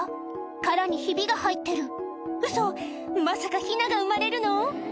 殻にヒビが入ってるウソまさかヒナが生まれるの？